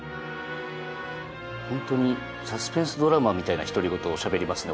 ホントにサスペンスドラマみたいな独り言をしゃべりますね。